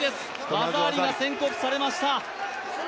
技ありが宣告されました。